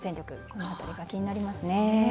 この辺りが気になりますね。